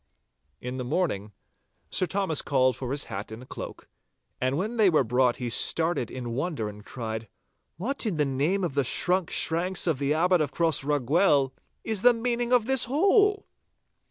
In the morning, Sir Thomas called for his hat and cloak, and when they were brought he started in wonder and cried, 'What, in the name of the shrunk shanks of the Abbot of Crossraguel, is the meaning of this hole?